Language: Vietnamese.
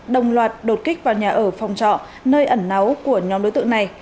đồng loạt đột kích vào nhà ở phòng trọ nơi ẩn náu của nhóm đối tượng này